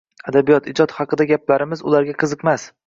Adabiyot, ijod haqidagi gaplarimiz ularga qiziqmas.